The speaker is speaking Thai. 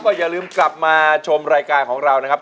อย่าลืมกลับมาชมรายการของเรานะครับ